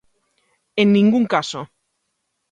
¡En ningún caso!